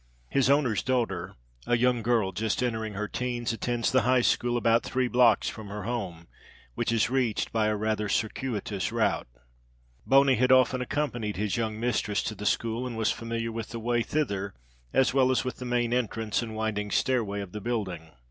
His owner's daughter, a young girl just entering her teens, attends the high school, about three blocks from her home, which is reached by rather a circuitous route. Boney had often accompanied his young mistress to the school and was familiar with the way thither as well as with the main entrance and winding stairway of the building.